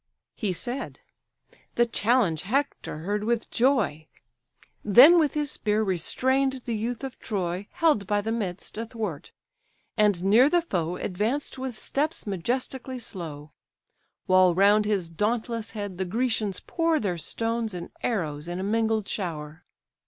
He said. The challenge Hector heard with joy, Then with his spear restrain'd the youth of Troy, Held by the midst, athwart; and near the foe Advanced with steps majestically slow: While round his dauntless head the Grecians pour Their stones and arrows in a mingled shower.